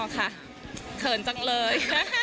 อ๋อค่ะเขินจังเลย